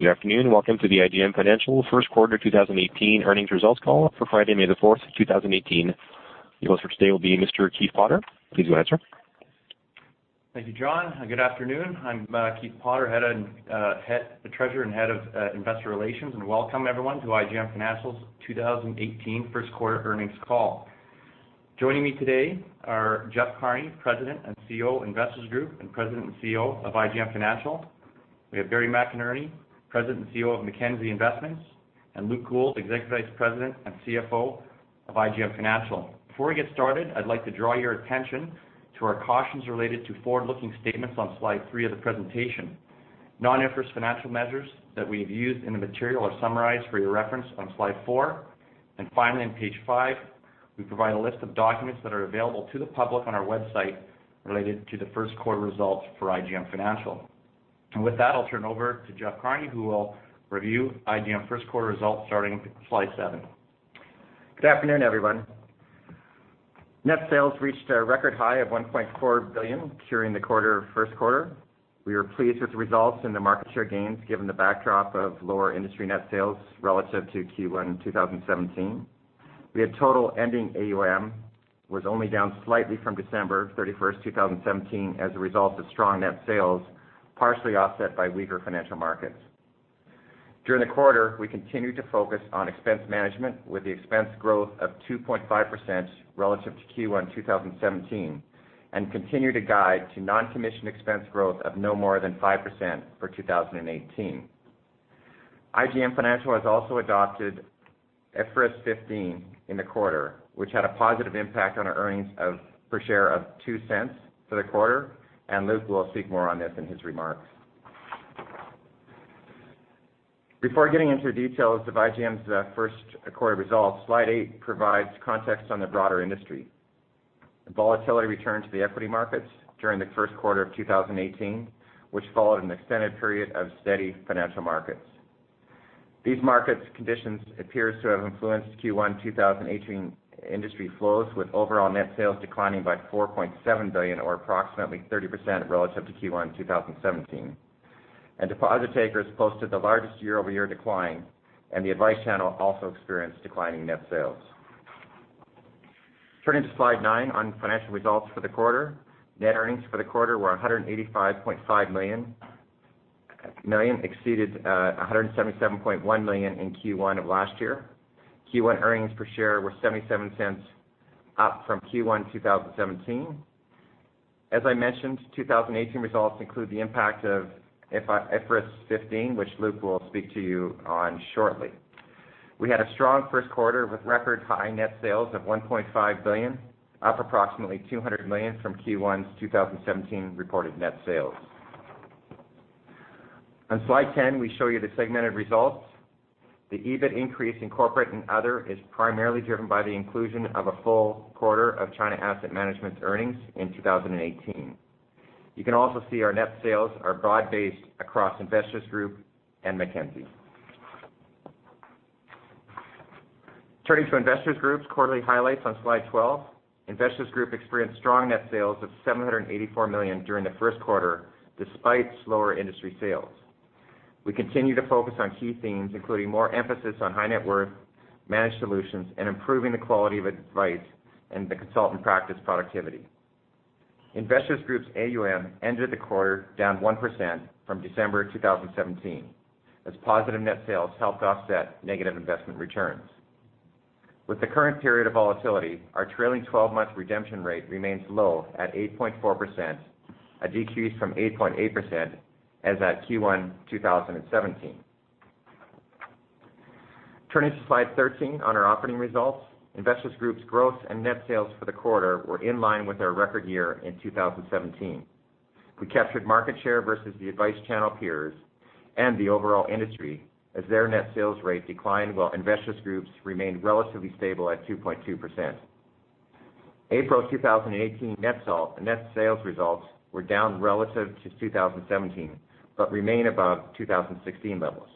Good afternoon, and welcome to the IGM Financial First Quarter 2018 Earnings Results Call for Friday, May the 4th, 2018. Your host for today will be Mr. Keith Potter. Please go ahead, sir. Thank you, John. Good afternoon. I'm Keith Potter, the Treasurer and Head of Investor Relations, and welcome, everyone, to IGM Financial's 2018 first quarter earnings call. Joining me today are Jeff Carney, President and CEO, Investors Group, and President and CEO of IGM Financial. We have Barry McInerney, President and CEO of Mackenzie Investments, and Luke Gould, Executive Vice President and CFO of IGM Financial. Before we get started, I'd like to draw your attention to our cautions related to forward-looking statements on slide three of the presentation. Non-IFRS financial measures that we have used in the material are summarized for your reference on slide four. Finally, on page five, we provide a list of documents that are available to the public on our website related to the first quarter results for IGM Financial. With that, I'll turn over to Jeff Carney, who will review IGM first quarter results starting on slide seven. Good afternoon, everyone. Net sales reached a record high of 1.4 billion during the quarter, first quarter. We were pleased with the results and the market share gains, given the backdrop of lower industry net sales relative to Q1 2017. We had total ending AUM, was only down slightly from December 31st, 2017, as a result of strong net sales, partially offset by weaker financial markets. During the quarter, we continued to focus on expense management, with the expense growth of 2.5% relative to Q1 2017, and continue to guide to non-commission expense growth of no more than 5% for 2018. IGM Financial has also adopted IFRS 15 in the quarter, which had a positive impact on our earnings of, per share of 0.02 for the quarter, and Luke will speak more on this in his remarks. Before getting into the details of IGM's first quarter results, slide eight provides context on the broader industry. The volatility returned to the equity markets during the first quarter of 2018, which followed an extended period of steady financial markets. These markets conditions appears to have influenced Q1 2018 industry flows, with overall net sales declining by 4.7 billion, or approximately 30% relative to Q1 2017. Deposit takers posted the largest year-over-year decline, and the advice channel also experienced declining net sales. Turning to slide nine on financial results for the quarter. Net earnings for the quarter were 185.5 million, exceeded 177.1 million in Q1 of last year. Q1 earnings per share were 0.77, up from Q1 2017. As I mentioned, 2018 results include the impact of IFRS 15, which Luke will speak to you on shortly. We had a strong first quarter with record high net sales of 1.5 billion, up approximately 200 million from Q1 2017 reported net sales. On slide 10, we show you the segmented results. The EBIT increase in corporate and other is primarily driven by the inclusion of a full quarter of China Asset Management's earnings in 2018. You can also see our net sales are broad-based across Investors Group and Mackenzie. Turning to Investors Group's quarterly highlights on slide 12. Investors Group experienced strong net sales of 784 million during the first quarter, despite slower industry sales. We continue to focus on key themes, including more emphasis on high net worth, managed solutions, and improving the quality of advice and the consultant practice productivity. Investors Group's AUM ended the quarter down 1% from December 2017, as positive net sales helped offset negative investment returns. With the current period of volatility, our trailing twelve-month redemption rate remains low at 8.4%, a decrease from 8.8% as at Q1 2017. Turning to slide 13 on our operating results. Investors Group's growth and net sales for the quarter were in line with our record year in 2017. We captured market share versus the advice channel peers and the overall industry, as their net sales rate declined, while Investors Group's remained relatively stable at 2.2%. April 2018 net sales results were down relative to 2017, but remain above 2016 levels.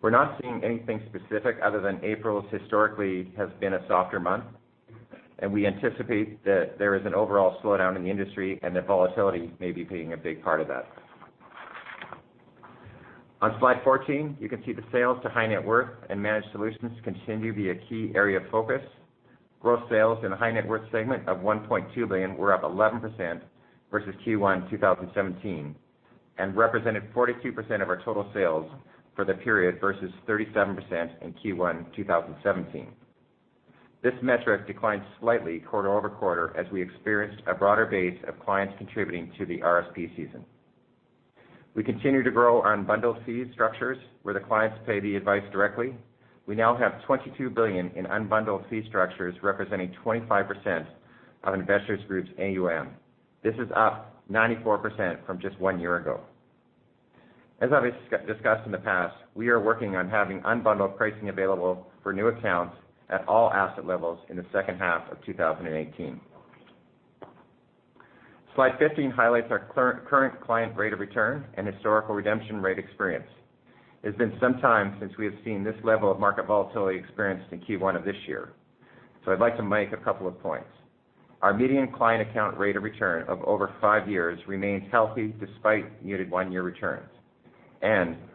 We're not seeing anything specific other than April historically has been a softer month, and we anticipate that there is an overall slowdown in the industry and that volatility may be playing a big part of that. On slide 14, you can see the sales to high net worth and managed solutions continue to be a key area of focus. Gross sales in the high net worth segment of 1.2 billion were up 11% versus Q1 2017, and represented 42% of our total sales for the period versus 37% in Q1 2017. This metric declined slightly quarter-over-quarter as we experienced a broader base of clients contributing to the RSP season. We continue to grow unbundled fee structures, where the clients pay the advice directly. We now have 22 billion in unbundled fee structures, representing 25% of Investors Group's AUM. This is up 94% from just one year ago. As I've discussed in the past, we are working on having unbundled pricing available for new accounts at all asset levels in the second half of 2018. Slide 15 highlights our current client rate of return and historical redemption rate experience. It's been some time since we have seen this level of market volatility experienced in Q1 of this year. So I'd like to make a couple of points. Our median client account rate of return of over five years remains healthy despite muted one-year returns.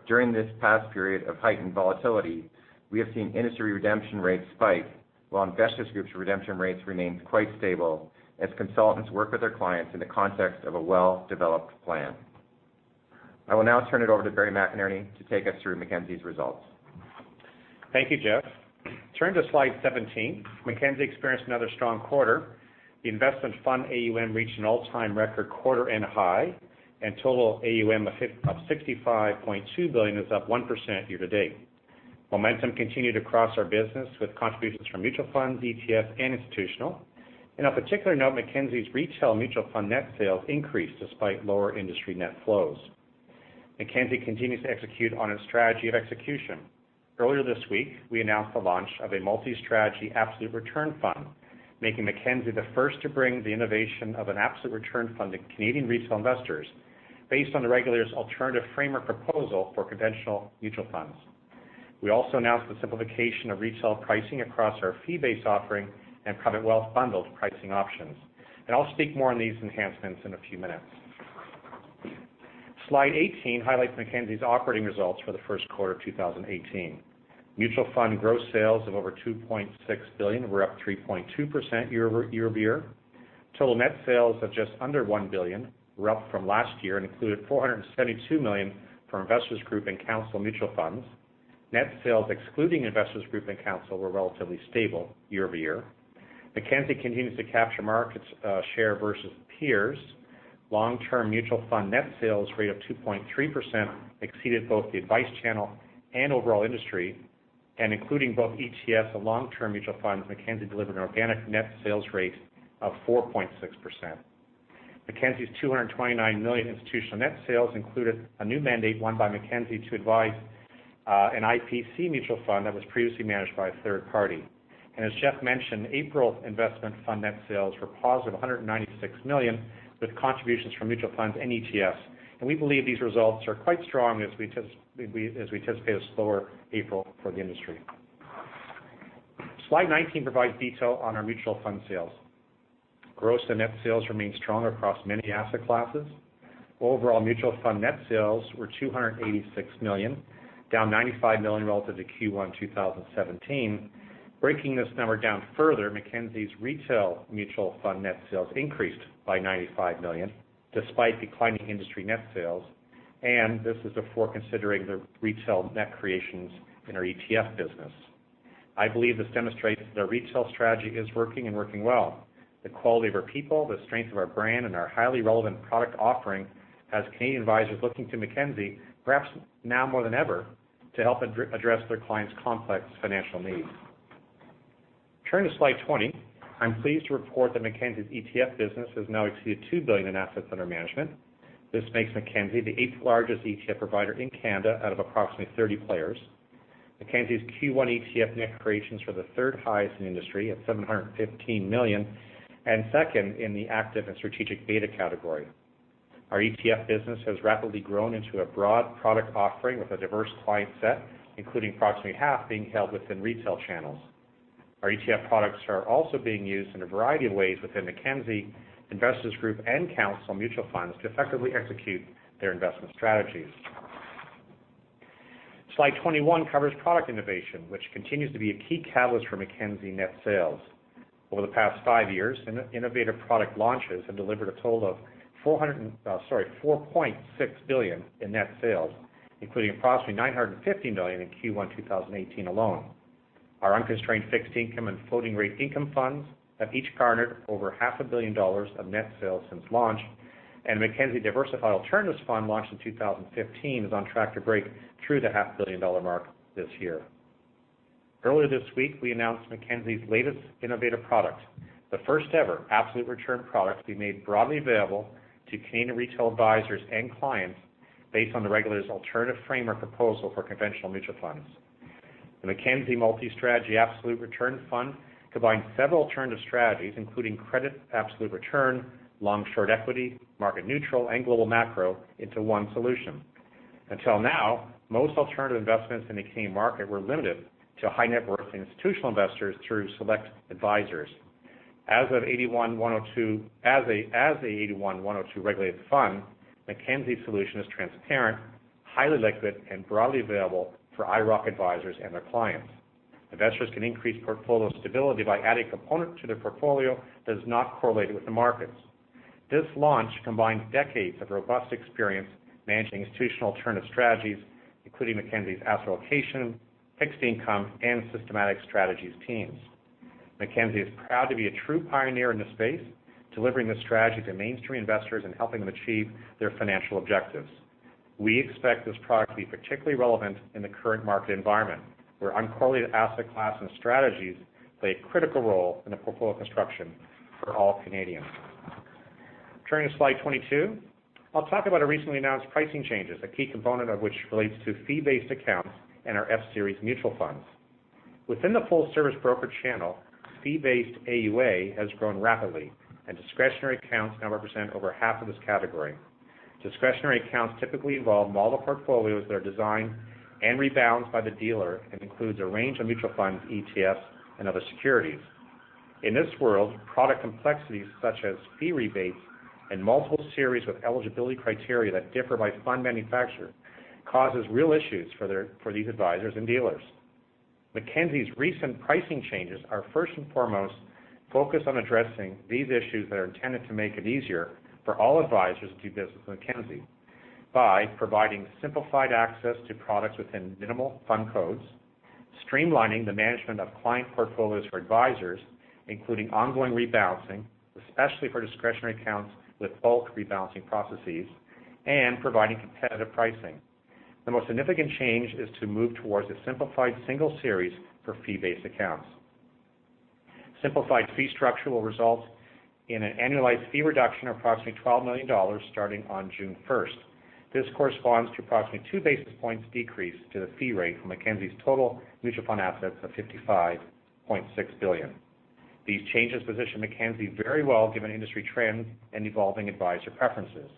During this past period of heightened volatility, we have seen industry redemption rates spike, while Investors Group's redemption rates remained quite stable as consultants work with their clients in the context of a well-developed plan. I will now turn it over to Barry McInerney to take us through Mackenzie's results. Thank you, Jeff. Turn to slide 17. Mackenzie experienced another strong quarter. The investment fund AUM reached an all-time record quarter and a high, and total AUM of 65.2 billion is up 1% year-to-date. Momentum continued across our business, with contributions from mutual funds, ETFs, and institutional. In a particular note, Mackenzie's retail mutual fund net sales increased despite lower industry net flows. Mackenzie continues to execute on its strategy of execution. Earlier this week, we announced the launch of a Multi-Strategy Absolute Return Fund, making Mackenzie the first to bring the innovation of an absolute return fund to Canadian retail investors based on the regulator's alternative framework proposal for conventional mutual funds. We also announced the simplification of retail pricing across our fee-based offering and private wealth bundled pricing options, and I'll speak more on these enhancements in a few minutes. Slide 18 highlights Mackenzie's operating results for the first quarter of 2018. Mutual fund gross sales of over 2.6 billion were up 3.2% year-over-year. Total net sales of just under 1 billion were up from last year and included 472 million from Investors Group and Counsel Mutual Funds. Net sales, excluding Investors Group and Counsel, were relatively stable year-over-year. Mackenzie continues to capture market share versus peers. Long-term mutual fund net sales rate of 2.3% exceeded both the advice channel and overall industry. And including both ETFs and long-term mutual funds, Mackenzie delivered an organic net sales rate of 4.6%. Mackenzie's 229 million institutional net sales included a new mandate won by Mackenzie to advise an IPC mutual fund that was previously managed by a third party. And as Jeff mentioned, April investment fund net sales were positive, 196 million, with contributions from mutual funds and ETFs. We believe these results are quite strong as we anticipate a slower April for the industry. Slide 19 provides detail on our mutual fund sales. Gross and net sales remain strong across many asset classes. Overall, mutual fund net sales were 286 million, down 95 million relative to Q1 2017. Breaking this number down further, Mackenzie's retail mutual fund net sales increased by 95 million, despite declining industry net sales, and this is before considering the retail net creations in our ETF business. I believe this demonstrates that our retail strategy is working and working well. The quality of our people, the strength of our brand, and our highly relevant product offering has Canadian advisors looking to Mackenzie, perhaps now more than ever, to help address their clients' complex financial needs. Turning to slide 20, I'm pleased to report that Mackenzie's ETF business has now exceeded 2 billion in assets under management. This makes Mackenzie the eighth-largest ETF provider in Canada, out of approximately 30 players. Mackenzie's Q1 ETF net creations were the third highest in the industry, at 715 million, and second in the active and strategic beta category. Our ETF business has rapidly grown into a broad product offering with a diverse client set, including approximately half being held within retail channels. Our ETF products are also being used in a variety of ways within Mackenzie Investments, Investors Group, and Investment Planning Counsel mutual funds to effectively execute their investment strategies. Slide 21 covers product innovation, which continues to be a key catalyst for Mackenzie net sales. Over the past five years, innovative product launches have delivered a total of 4.6 billion in net sales, including approximately 950 million in Q1 2018 alone. Our Unconstrained Fixed Income and Floating Rate Income funds have each garnered over 500 million dollars of net sales since launch, and Mackenzie Diversified Alternatives Fund, launched in 2015, is on track to break through the 500 million dollar mark this year. Earlier this week, we announced Mackenzie's latest innovative product, the first-ever absolute return product to be made broadly available to Canadian retail advisors and clients based on the regulator's alternative framework proposal for conventional mutual funds. The Mackenzie Multi-Strategy Absolute Return Fund combines several alternative strategies, including credit, absolute return, long-short equity, market neutral, and global macro into one solution. Until now, most alternative investments in the Canadian market were limited to high net worth institutional investors through select advisors. As a 81-102 regulated fund, Mackenzie's solution is transparent, highly liquid, and broadly available for IIROC advisors and their clients. Investors can increase portfolio stability by adding a component to their portfolio that is not correlated with the markets. This launch combines decades of robust experience managing institutional alternative strategies, including Mackenzie's asset allocation, fixed income, and systematic strategies teams. Mackenzie is proud to be a true pioneer in this space, delivering this strategy to mainstream investors and helping them achieve their financial objectives. We expect this product to be particularly relevant in the current market environment, where uncorrelated asset class and strategies play a critical role in the portfolio construction for all Canadians. Turning to slide 22, I'll talk about our recently announced pricing changes, a key component of which relates to fee-based accounts and our F Series mutual funds. Within the full-service broker channel, fee-based AUA has grown rapidly, and discretionary accounts now represent over half of this category. Discretionary accounts typically involve model portfolios that are designed and rebalanced by the dealer and includes a range of mutual funds, ETFs, and other securities. In this world, product complexities such as fee rebates and multiple series with eligibility criteria that differ by fund manufacturer, causes real issues for their, for these advisors and dealers. Mackenzie's recent pricing changes are first and foremost focused on addressing these issues that are intended to make it easier for all advisors to do business with Mackenzie, by providing simplified access to products within minimal fund codes, streamlining the management of client portfolios for advisors, including ongoing rebalancing, especially for discretionary accounts with bulk rebalancing processes, and providing competitive pricing. The most significant change is to move towards a simplified single series for fee-based accounts. Simplified fee structure will result in an annualized fee reduction of approximately 12 million dollars starting on June first. This corresponds to approximately two basis points decrease to the fee rate from Mackenzie's total mutual fund assets of 55.6 billion. These changes position Mackenzie very well, given industry trends and evolving advisor preferences.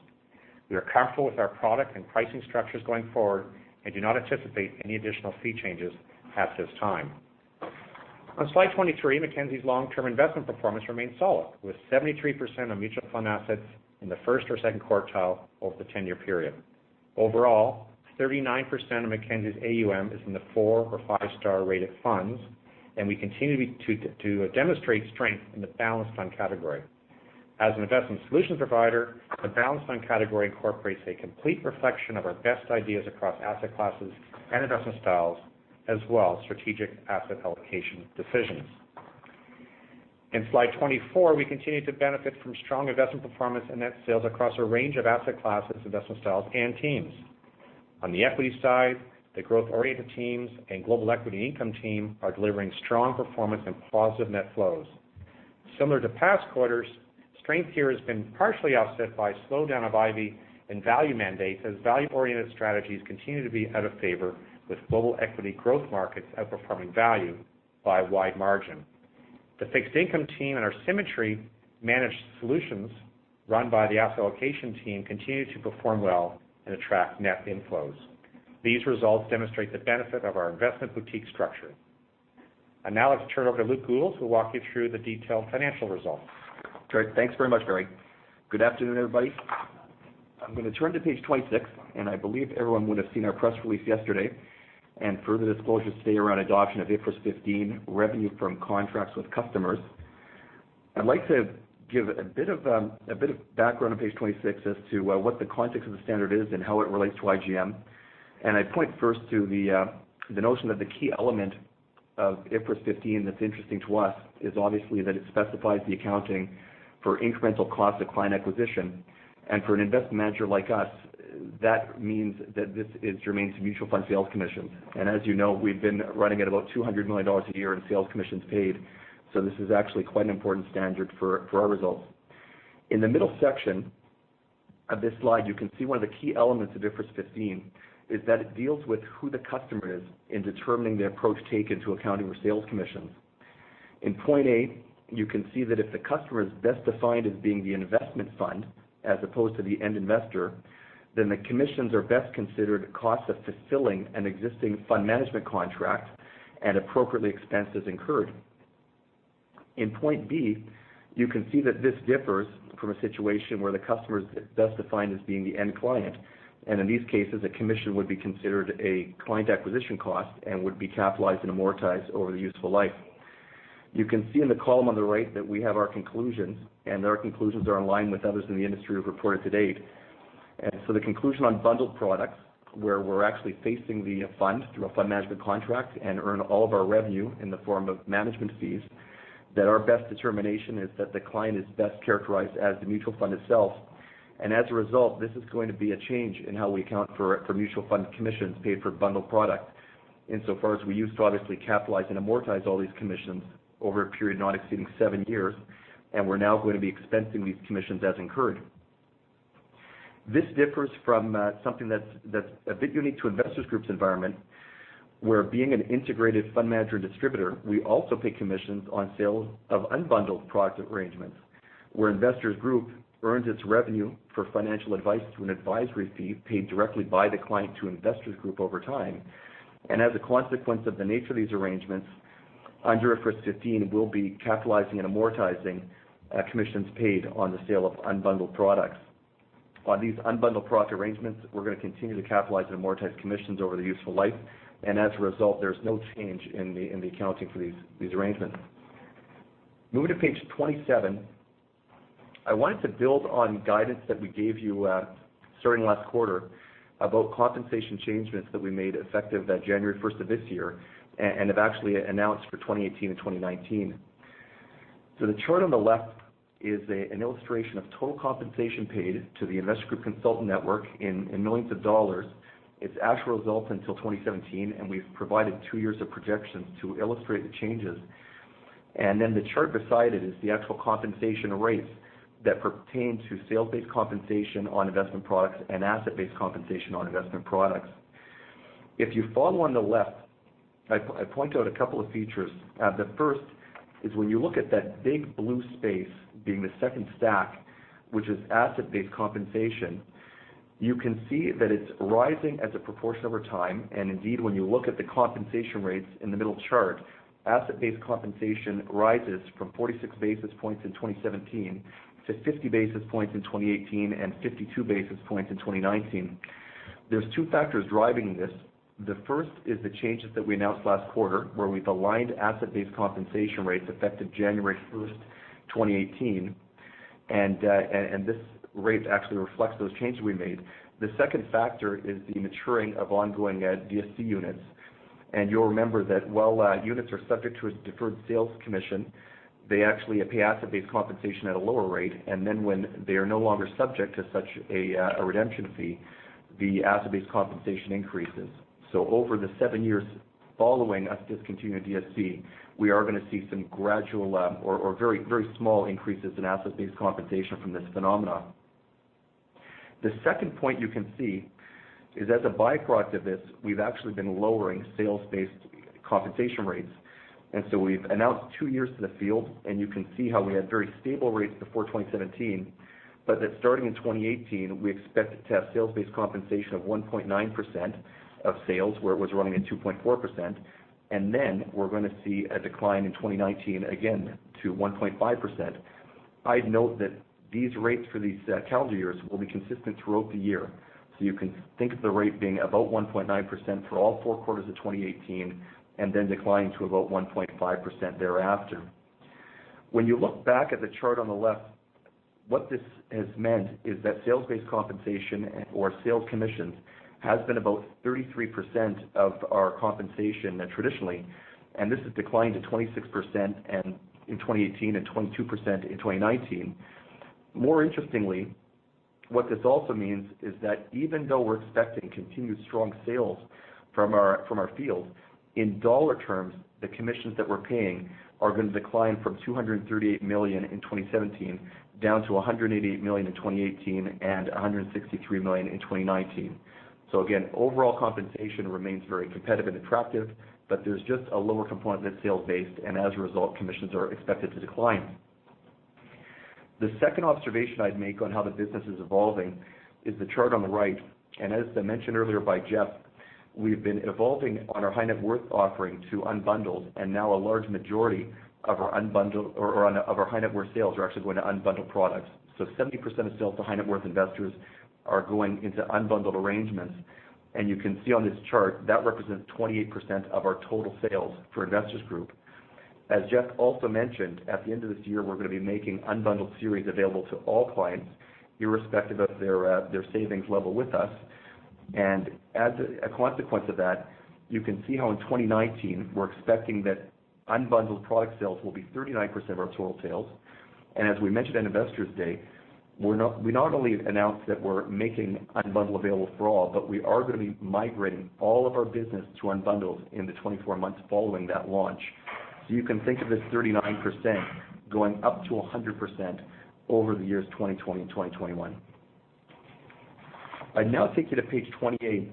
We are comfortable with our product and pricing structures going forward, and do not anticipate any additional fee changes at this time. On Slide 23, Mackenzie's long-term investment performance remains solid, with 73% of mutual fund assets in the first or second quartile over the 10-year period. Overall, 39% of Mackenzie's AUM is in the four or five star rated funds, and we continue to demonstrate strength in the balanced fund category. As an investment solution provider, the balanced fund category incorporates a complete reflection of our best ideas across asset classes and investment styles, as well as strategic asset allocation decisions. In Slide 24, we continue to benefit from strong investment performance and net sales across a range of asset classes, investment styles, and teams. On the equity side, the growth-oriented teams and global equity income team are delivering strong performance and positive net flows. Similar to past quarters, strength here has been partially offset by a slowdown of Ivy and value mandates, as value-oriented strategies continue to be out of favor, with global equity growth markets outperforming value by a wide margin. The fixed income team and our Symmetry Managed Solutions, run by the asset allocation team, continue to perform well and attract net inflows. These results demonstrate the benefit of our investment boutique structure. Now, let's turn it over to Luke Gould, who'll walk you through the detailed financial results. Great. Thanks very much, Barry. Good afternoon, everybody. I'm going to turn to page 26, and I believe everyone would have seen our press release yesterday, and further disclosures today around adoption of IFRS 15, revenue from contracts with customers. I'd like to give a bit of, a bit of background on page 26 as to, what the context of the standard is and how it relates to IGM. And I'd point first to the, the notion that the key element of IFRS 15 that's interesting to us, is obviously that it specifies the accounting for incremental costs of client acquisition. And for an investment manager like us, that means that this is remains mutual fund sales commissions. As you know, we've been running at about 200 million dollars a year in sales commissions paid, so this is actually quite an important standard for, for our results. In the middle section of this slide, you can see one of the key elements of IFRS 15 is that it deals with who the customer is in determining the approach taken to accounting for sales commissions. In point A, you can see that if the customer is best defined as being the investment fund, as opposed to the end investor, then the commissions are best considered costs of fulfilling an existing fund management contract and appropriately expenses incurred. In point B, you can see that this differs from a situation where the customer is best defined as being the end client, and in these cases, a commission would be considered a client acquisition cost and would be capitalized and amortized over the useful life. You can see in the column on the right that we have our conclusions, and our conclusions are in line with others in the industry who've reported to date. And so the conclusion on bundled products, where we're actually facing the fund through a fund management contract and earn all of our revenue in the form of management fees, that our best determination is that the client is best characterized as the mutual fund itself. And as a result, this is going to be a change in how we account for mutual fund commissions paid for bundled products. Insofar as we used to obviously capitalize and amortize all these commissions over a period not exceeding seven years, and we're now going to be expensing these commissions as incurred. This differs from something that's a bit unique to Investors Group's environment, where being an integrated fund manager distributor, we also pay commissions on sales of unbundled product arrangements, where Investors Group earns its revenue for financial advice through an advisory fee paid directly by the client to Investors Group over time. As a consequence of the nature of these arrangements, under IFRS 15, we'll be capitalizing and amortizing commissions paid on the sale of unbundled products. On these unbundled product arrangements, we're going to continue to capitalize and amortize commissions over the useful life, and as a result, there's no change in the accounting for these arrangements. Moving to page 27, I wanted to build on guidance that we gave you, starting last quarter, about compensation changes that we made effective January 1st of this year and have actually announced for 2018 and 2019. So the chart on the left is an illustration of total compensation paid to the Investors Group Consultant network in millions dollars. It's actual results until 2017, and we've provided two years of projections to illustrate the changes. And then the chart beside it is the actual compensation rates that pertain to sales-based compensation on investment products and asset-based compensation on investment products. If you follow on the left, I point out a couple of features. The first is when you look at that big blue space being the second stack, which is asset-based compensation, you can see that it's rising as a proportion over time. And indeed, when you look at the compensation rates in the middle chart, asset-based compensation rises from 46 basis points in 2017 to 50 basis points in 2018 and 52 basis points in 2019. There's two factors driving this. The first is the changes that we announced last quarter, where we've aligned asset-based compensation rates effective January 1st, 2018, and this rate actually reflects those changes we made. The second factor is the maturing of ongoing DSC units. And you'll remember that while units are subject to a deferred sales commission, they actually pay asset-based compensation at a lower rate. And then when they are no longer subject to such a, a redemption fee, the asset-based compensation increases. So over the seven years following us discontinuing DSC, we are going to see some gradual, or, or very, very small increases in asset-based compensation from this phenomenon. The second point you can see is, as a by-product of this, we've actually been lowering sales-based compensation rates. And so we've announced two years to the field, and you can see how we had very stable rates before 2017. But that starting in 2018, we expect to have sales-based compensation of 1.9% of sales, where it was running at 2.4%. And then we're going to see a decline in 2019, again, to 1.5%. I'd note that these rates for these, calendar years will be consistent throughout the year. So you can think of the rate being about 1.9% for all four quarters of 2018, and then declining to about 1.5% thereafter. When you look back at the chart on the left, what this has meant is that sales-based compensation or sales commissions, has been about 33% of our compensation traditionally, and this has declined to 26%, and in 2018 and 22% in 2019. More interestingly, what this also means is that even though we're expecting continued strong sales from our, from our fields, in dollar terms, the commissions that we're paying are going to decline from 238 million in 2017, down to 188 million in 2018, and 163 million in 2019. So again, overall compensation remains very competitive and attractive, but there's just a lower component that's sales-based, and as a result, commissions are expected to decline. The second observation I'd make on how the business is evolving is the chart on the right. As mentioned earlier by Jeff, we've been evolving on our high net worth offering to unbundled, and now a large majority of our high net worth sales are actually going to unbundled products. So 70% of sales to high net worth investors are going into unbundled arrangements. You can see on this chart, that represents 28% of our total sales for Investors Group. As Jeff also mentioned, at the end of this year, we're going to be making unbundled series available to all clients, irrespective of their their savings level with us. As a consequence of that, you can see how in 2019, we're expecting that unbundled product sales will be 39% of our total sales. As we mentioned at Investors Day, we're not only announced that we're making unbundled available for all, but we are going to be migrating all of our business to unbundled in the 24 months following that launch. So you can think of this 39% going up to 100% over the years 2020 and 2021. I now take you to page 28,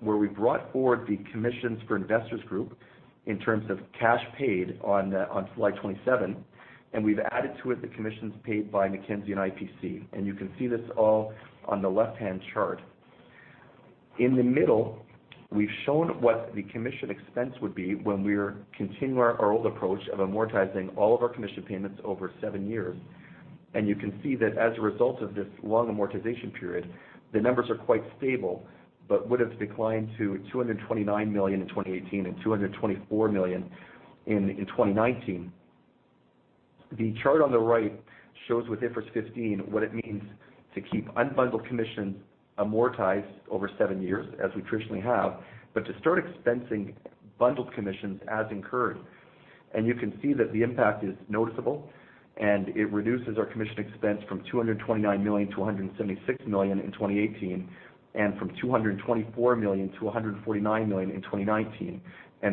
where we brought forward the commissions for Investors Group in terms of cash paid on slide 27, and we've added to it the commissions paid by Mackenzie and IPC. And you can see this all on the left-hand chart. In the middle, we've shown what the commission expense would be when we're continuing our old approach of amortizing all of our commission payments over seven years. You can see that as a result of this long amortization period, the numbers are quite stable, but would have declined to 229 million in 2018 and 224 million in 2019. The chart on the right shows with IFRS 15, what it means to keep unbundled commissions amortized over seven years, as we traditionally have, but to start expensing bundled commissions as incurred. You can see that the impact is noticeable, and it reduces our commission expense from 229 million to 176 million in 2018, and from 224 million to 149 million in 2019.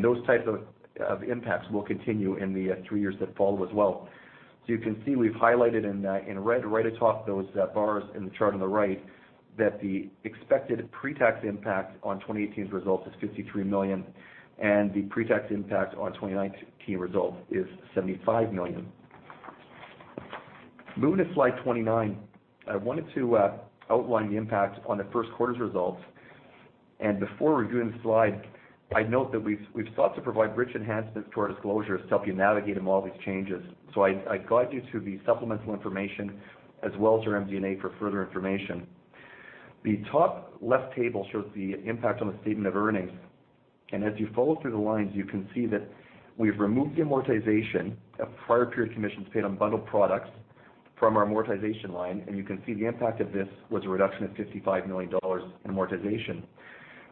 Those types of, of impacts will continue in the three years that follow as well. You can see, we've highlighted in red, right atop those bars in the chart on the right, that the expected pre-tax impact on 2018's results is 53 million, and the pre-tax impact on 2019 results is 75 million. Moving to slide 29, I wanted to outline the impact on the first quarter's results. Before reviewing the slide, I'd note that we've sought to provide rich enhancements to our disclosures to help you navigate them all these changes. I guide you to the supplemental information as well as our MD&A for further information. The top left table shows the impact on the statement of earnings. And as you follow through the lines, you can see that we've removed the amortization of prior period commissions paid on bundled products from our amortization line. And you can see the impact of this was a reduction of 55 million dollars in amortization.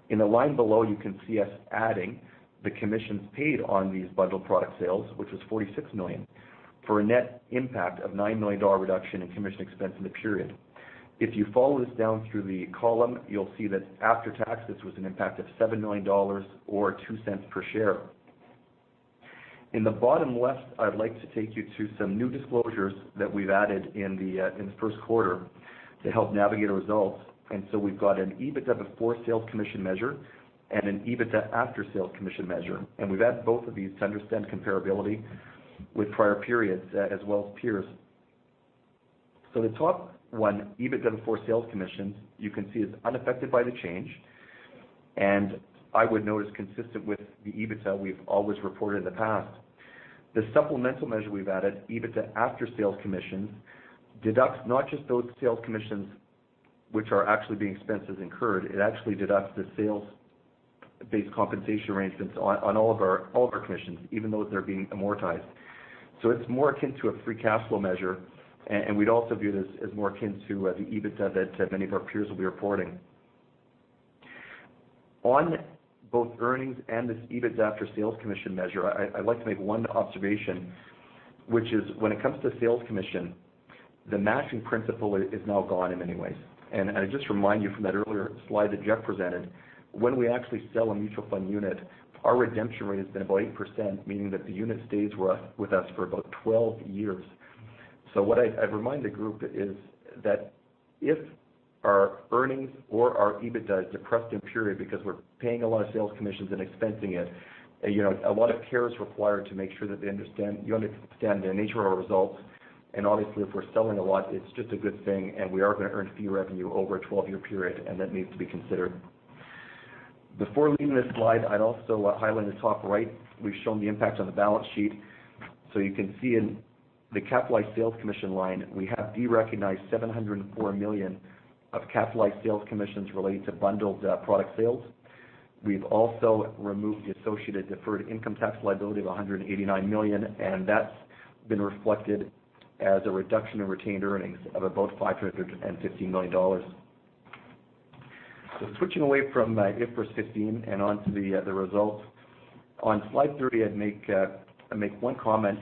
In the line below, you can see us adding the commissions paid on these bundled product sales, which was 46 million, for a net impact of 9 million dollar reduction in commission expense in the period. If you follow this down through the column, you'll see that after taxes, it was an impact of 7 million dollars or 0.02 per share. In the bottom left, I'd like to take you to some new disclosures that we've added in the in the first quarter to help navigate our results. So we've got an EBITDA before sales commission measure and an EBITDA after sales commission measure, and we've added both of these to understand comparability with prior periods, as well as peers. The top one, EBITDA before sales commissions, you can see is unaffected by the change, and I would note it's consistent with the EBITDA we've always reported in the past. The supplemental measure we've added, EBITDA after sales commissions, deducts not just those sales commissions which are actually being expensed as incurred, it actually deducts the sales-based compensation arrangements on all of our commissions, even those that are being amortized. It's more akin to a free cash flow measure, and we'd also view this as more akin to the EBITDA that many of our peers will be reporting. On both earnings and this EBITDA after sales commission measure, I'd like to make one observation, which is when it comes to sales commission, the matching principle is now gone in many ways. And I just remind you from that earlier slide that Jeff presented, when we actually sell a mutual fund unit, our redemption rate has been about 8%, meaning that the unit stays with us for about 12 years. So what I'd remind the group is that if our earnings or our EBITDA is depressed in period because we're paying a lot of sales commissions and expensing it, you know, a lot of care is required to make sure that they understand, you understand the nature of our results. Obviously, if we're selling a lot, it's just a good thing, and we are going to earn fee revenue over a 12-year period, and that needs to be considered. Before leaving this slide, I'd also highlight in the top right, we've shown the impact on the balance sheet. So you can see in the capitalized sales commission line, we have derecognized 704 million of capitalized sales commissions related to bundled product sales. We've also removed the associated deferred income tax liability of 189 million, and that's been reflected as a reduction in retained earnings of about 550 million dollars. So switching away from IFRS 16 and onto the results. On Slide 30, I'd make, I'd make one comment,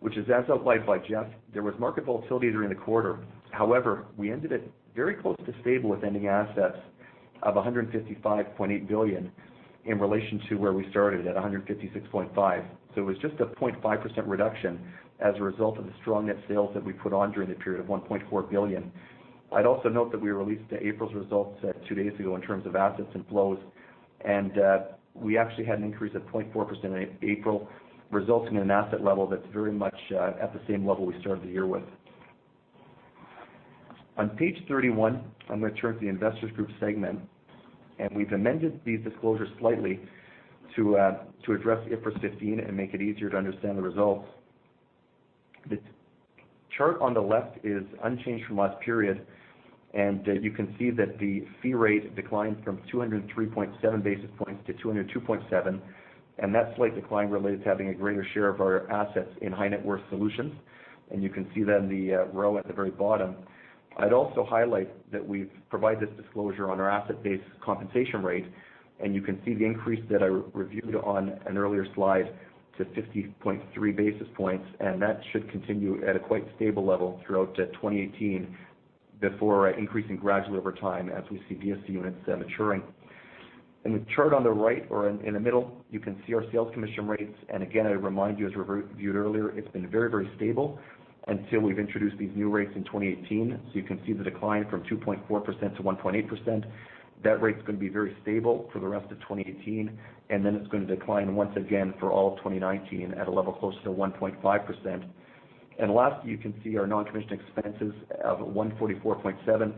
which is as outlined by Jeff, there was market volatility during the quarter. However, we ended it very close to stable with ending assets of 155.8 billion, in relation to where we started at 156.5 billion. So it was just a 0.5% reduction as a result of the strong net sales that we put on during the period of 1.4 billion. I'd also note that we released April's results, two days ago in terms of assets and flows, and, we actually had an increase of 0.4% in April, resulting in an asset level that's very much, at the same level we started the year with. On page 31, I'm going to turn to the Investors Group segment, and we've amended these disclosures slightly to, to address the IFRS 16 and make it easier to understand the results. The chart on the left is unchanged from last period, and you can see that the fee rate declined from 203.7 basis points to 202.7, and that slight decline relates to having a greater share of our assets in high net worth solutions, and you can see that in the row at the very bottom. I'd also highlight that we've provided this disclosure on our asset-based compensation rate, and you can see the increase that I re-reviewed on an earlier slide to 50.3 basis points, and that should continue at a quite stable level throughout 2018 before increasing gradually over time as we see DSC units maturing. In the chart on the right or in the middle, you can see our sales commission rates. And again, I remind you, as we reviewed earlier, it's been very, very stable until we've introduced these new rates in 2018. So you can see the decline from 2.4% to 1.8%. That rate's going to be very stable for the rest of 2018, and then it's going to decline once again for all of 2019 at a level closer to 1.5%. And last, you can see our non-commission expenses of 144.7.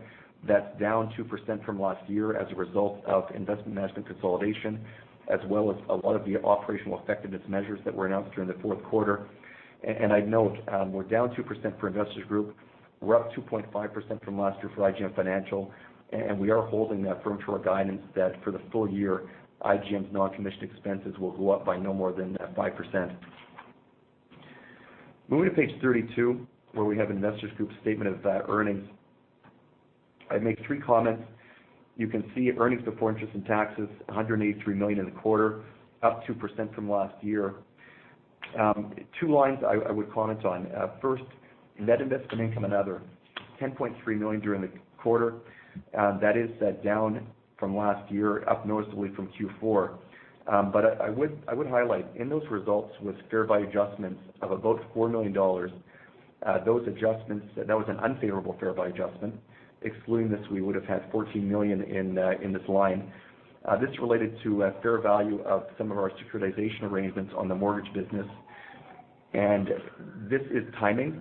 That's down 2% from last year as a result of investment management consolidation, as well as a lot of the operational effectiveness measures that were announced during the fourth quarter. And I'd note, we're down 2% for Investors Group. We're up 2.5% from last year for IGM Financial, and we are holding that firm to our guidance that for the full year, IGM's non-commission expenses will go up by no more than 5%. Moving to page 32, where we have Investors Group statement of earnings. I'd make three comments. You can see earnings before interest and taxes, 183 million in the quarter, up 2% from last year. Two lines I would comment on. First, net investment income, another 10.3 million during the quarter. That is down from last year, up noticeably from Q4. But I would highlight in those results was fair value adjustments of about 4 million dollars. Those adjustments, that was an unfavorable fair value adjustment. Excluding this, we would have had 14 million in, in this line. This related to a fair value of some of our securitization arrangements on the mortgage business, and this is timing.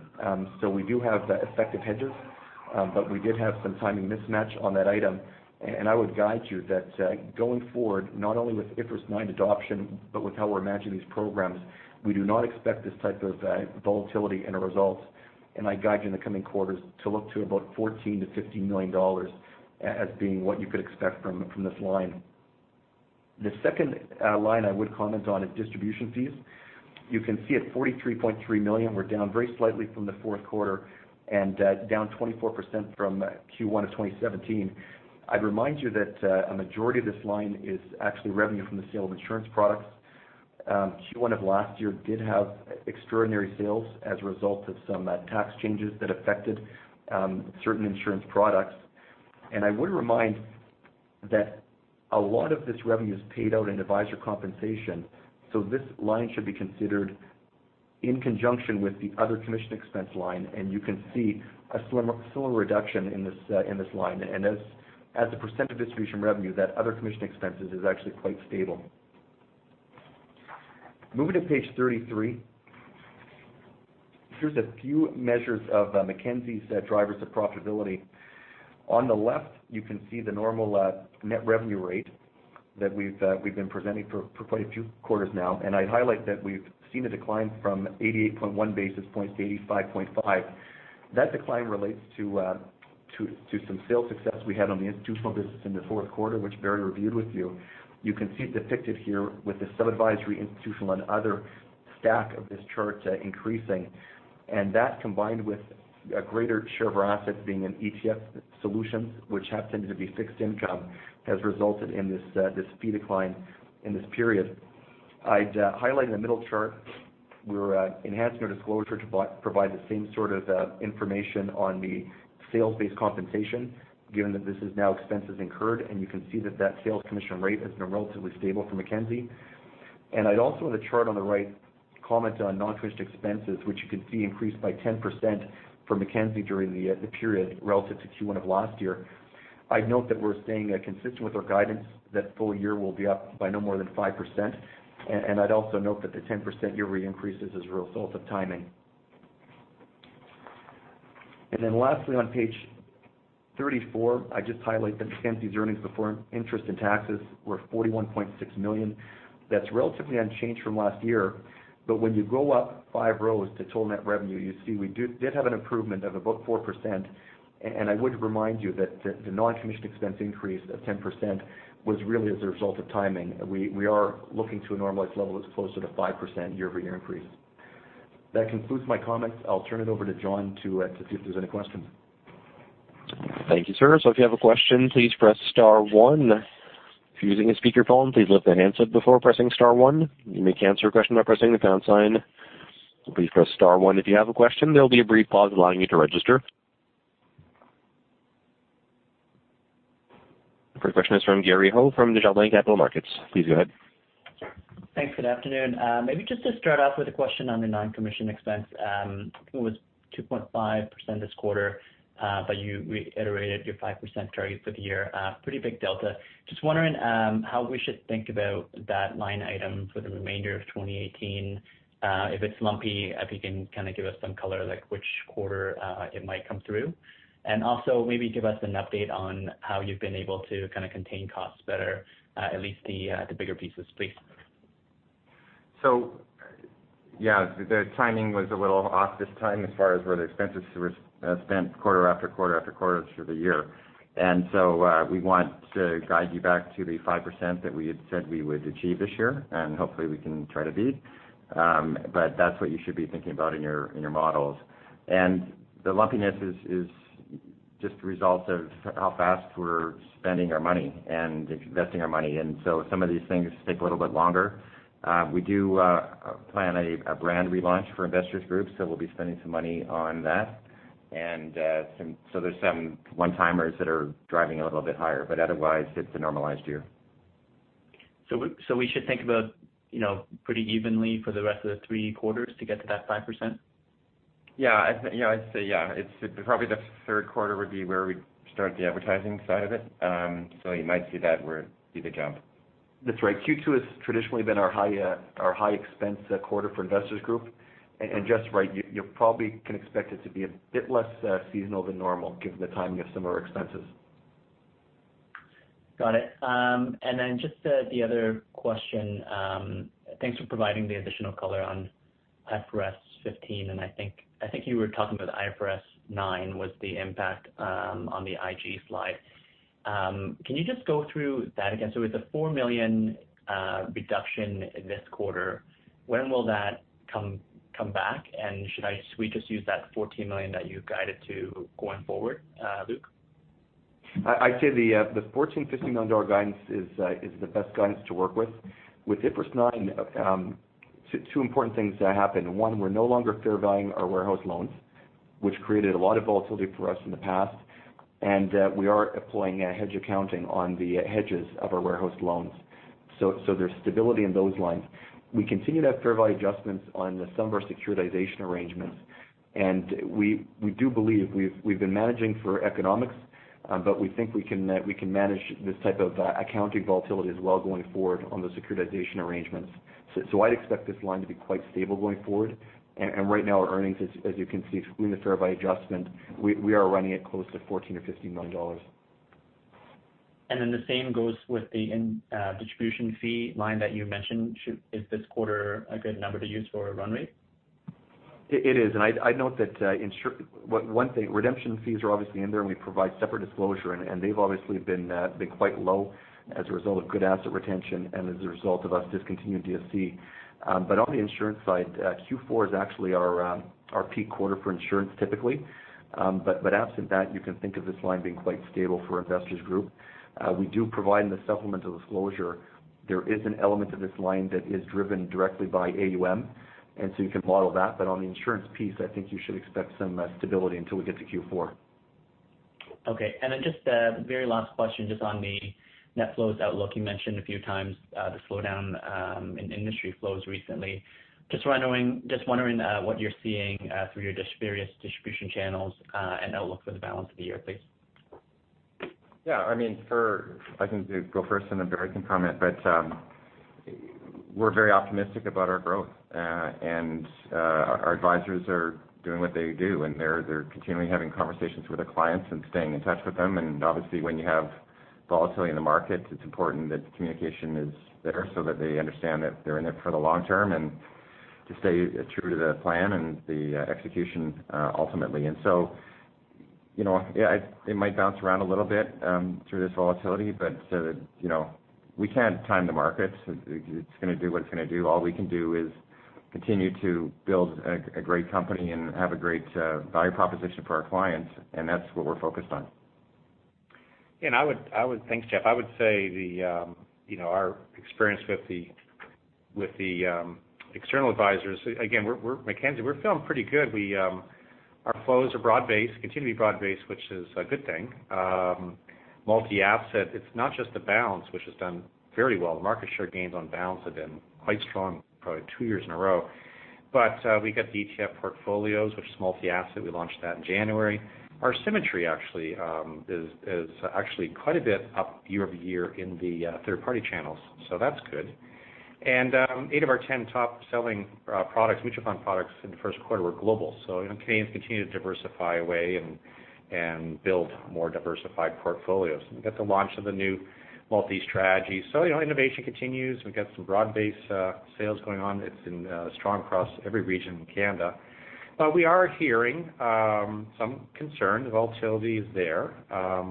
So we do have effective hedges, but we did have some timing mismatch on that item. And I would guide you that, going forward, not only with IFRS 9 adoption, but with how we're managing these programs, we do not expect this type of, volatility in our results, and I'd guide you in the coming quarters to look to about 14-15 million dollars as being what you could expect from, from this line. The second, line I would comment on is distribution fees. You can see at 43.3 million, we're down very slightly from the fourth quarter and down 24% from Q1 of 2017. I'd remind you that a majority of this line is actually revenue from the sale of insurance products. Q1 of last year did have extraordinary sales as a result of some tax changes that affected certain insurance products. I would remind that a lot of this revenue is paid out in advisor compensation, so this line should be considered in conjunction with the other commission expense line, and you can see a similar reduction in this line. And as a percent of distribution revenue, that other commission expenses is actually quite stable. Moving to page 33, here's a few measures of Mackenzie's drivers of profitability. On the left, you can see the normal, net revenue rate that we've been presenting for quite a few quarters now, and I'd highlight that we've seen a decline from 88.1 basis points to 85.5. That decline relates to some sales success we had on the institutional business in the fourth quarter, which Barry reviewed with you. You can see it depicted here with the sub-advisory institutional and other stack of this chart, increasing. And that, combined with a greater share of our assets being an ETF solution, which happens to be fixed income, has resulted in this fee decline in this period. I'd highlight in the middle chart, we're enhancing our disclosure to provide the same sort of information on the sales-based compensation, given that this is now expenses incurred, and you can see that that sales commission rate has been relatively stable for Mackenzie. And I'd also, in the chart on the right, comment on non-interest expenses, which you can see increased by 10% for Mackenzie during the period relative to Q1 of last year. I'd note that we're staying consistent with our guidance, that full year will be up by no more than 5%. And I'd also note that the 10% year-over-year increase is as a result of timing. And then lastly, on page 34, I'd just highlight that Mackenzie's earnings before interest and taxes were 41.6 million. That's relatively unchanged from last year. But when you go up five rows to total net revenue, you see we did have an improvement of about 4%. And I would remind you that the non-commission expense increase of 10% was really as a result of timing. We are looking to a normalized level that's closer to 5% year-over-year increase. That concludes my comments. I'll turn it over to John to see if there's any questions. Thank you, sir. So if you have a question, please press star one. If you're using a speakerphone, please lift the handset before pressing star one. You may cancel a question by pressing the pound sign. Please press star one if you have a question. There'll be a brief pause allowing you to register. First question is from Gary Ho from Desjardins Capital Markets. Please go ahead. Thanks. Good afternoon. Maybe just to start off with a question on the non-commission expense, it was 2.5% this quarter, but you reiterated your 5% target for the year, pretty big delta. Just wondering, how we should think about that line item for the remainder of 2018. If it's lumpy, if you can kind of give us some color, like which quarter, it might come through. And also, maybe give us an update on how you've been able to kind of contain costs better, at least the bigger pieces, please. So yeah, the timing was a little off this time as far as where the expenses were spent quarter after quarter after quarter through the year. And so, we want to guide you back to the 5% that we had said we would achieve this year, and hopefully, we can try to beat. But that's what you should be thinking about in your models. And the lumpiness is just a result of how fast we're spending our money and investing our money, and so some of these things take a little bit longer. We do plan a brand relaunch for Investors Group, so we'll be spending some money on that. And, so there's some one-timers that are driving it a little bit higher, but otherwise, it's a normalized year. So we should think about, you know, pretty evenly for the rest of the three quarters to get to that 5%? Yeah, yeah, I'd say yeah. It's probably the third quarter would be where we'd start the advertising side of it. So you might see that where we see the jump. That's right. Q2 has traditionally been our high, our high expense quarter for Investors Group. And just right, you probably can expect it to be a bit less seasonal than normal, given the timing of some of our expenses. Got it. And then just, the other question, thanks for providing the additional color on IFRS 15, and I think, I think you were talking about IFRS 9, was the impact, on the IG slide. Can you just go through that again? So it's a 4 million, reduction in this quarter. When will that come, come back, and should I just use that 14 million that you guided to going forward, Luke? I'd say the 14 million-15 million dollar guidance is the best guidance to work with. With IFRS 9, two important things happened. One, we're no longer fair valuing our warehouse loans, which created a lot of volatility for us in the past, and we are applying a hedge accounting on the hedges of our warehouse loans. So there's stability in those lines. We continue to have fair value adjustments on some of our securitization arrangements, and we do believe we've been managing for economics, but we think we can manage this type of accounting volatility as well going forward on the securitization arrangements. So I'd expect this line to be quite stable going forward. Right now, our earnings, as you can see, including the fair value adjustment, we are running it close to 14 million or 15 million dollars. And then the same goes with the distribution fee line that you mentioned. Is this quarter a good number to use for a run rate? It is. And I'd note that one thing, redemption fees are obviously in there, and we provide separate disclosure, and they've obviously been quite low as a result of good asset retention and as a result of us discontinuing DSC. But on the insurance side, Q4 is actually our peak quarter for insurance, typically. But absent that, you can think of this line being quite stable for Investors Group. We do provide in the supplemental disclosure. There is an element of this line that is driven directly by AUM, and so you can model that. But on the insurance piece, I think you should expect some stability until we get to Q4. Okay. And then just a very last question, just on the net flows outlook. You mentioned a few times the slowdown in industry flows recently. Just wondering what you're seeing through your various distribution channels and outlook for the balance of the year, please. Yeah, I mean, I can go first, and then Barry can comment. But, we're very optimistic about our growth. And, our advisors are doing what they do, and they're continually having conversations with their clients and staying in touch with them. And obviously, when you have volatility in the market, it's important that the communication is there so that they understand that they're in it for the long term and to stay true to the plan and the execution ultimately. And so, you know, yeah, it might bounce around a little bit through this volatility, but, so, you know, we can't time the market. It's going to do what it's going to do. All we can do is continue to build a great company and have a great value proposition for our clients, and that's what we're focused on. Thanks, Jeff. I would say the, you know, our experience with the external advisors, again, we're Mackenzie, we're feeling pretty good. We, our flows are broad-based, continue to be broad-based, which is a good thing. Multi-asset, it's not just the balance, which has done very well. The market share gains on balance have been quite strong, probably two years in a row. But we got the ETF Portfolios, which is multi-asset. We launched that in January. Our Symmetry actually is actually quite a bit up year-over-year in the third-party channels, so that's good. And eight of our 10 top-selling products, mutual fund products in the first quarter were global. So, you know, Canadians continue to diversify away and build more diversified portfolios. We've got the launch of the new multi-strategy. So, you know, innovation continues. We've got some broad-based, sales going on. It's strong across every region in Canada. But we are hearing, some concern. The volatility is there, a